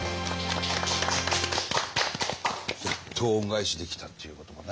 やっと恩返しできたっていうこともね。